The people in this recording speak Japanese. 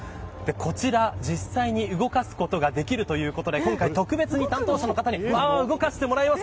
こちら、実際に動かすことができるということで今回特別に担当者の方に動かしてもらいます。